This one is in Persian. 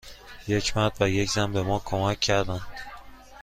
یک مرد و یک زن به ما کمک کردند.